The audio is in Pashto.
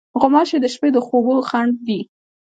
غوماشې د شپې د خوبو خنډ دي.